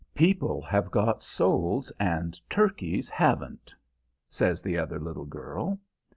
"People have got souls, and turkeys haven't," says the other little girl.